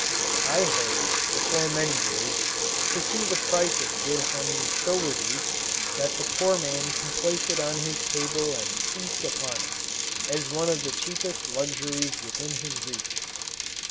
I hope, before many years, to see the price of good honey so reduced that the poor man can place it on his table and feast upon it, as one of the cheapest luxuries within his reach.